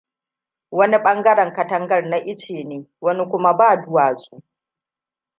Wani ɓangaren katangar na ice ne wani kuma ba duwatsu.